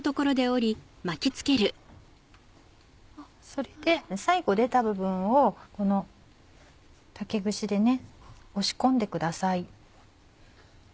それで最後出た部分をこの竹串で押し込んでください。